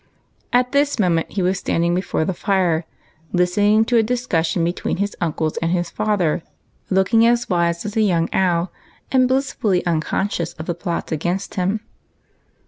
At this moment he was standing before the fire, listening to a discussion between his uncles and his father, looking as wise as a young owl, and blissfully unconscious of the plots against him.